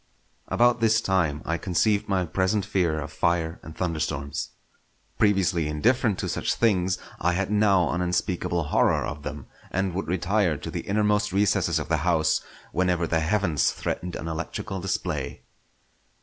About this time I conceived my present fear of fire and thunderstorms. Previously indifferent to such things, I had now an unspeakable horror of them; and would retire to the innermost recesses of the house whenever the heavens threatened an electrical display.